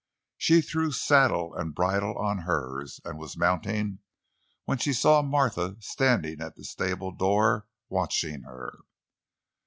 She threw saddle and bridle on hers, and was mounting, when she saw Martha standing at the stable door, watching her.